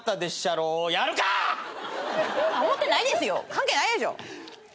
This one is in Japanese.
関係ないでしょ。